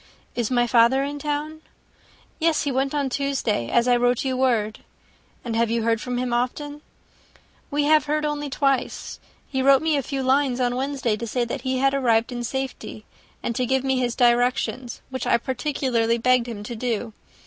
"Is my father in town?" "Yes, he went on Tuesday, as I wrote you word." "And have you heard from him often?" "We have heard only once. He wrote me a few lines on Wednesday, to say that he had arrived in safety, and to give me his directions, which I particularly begged him to do.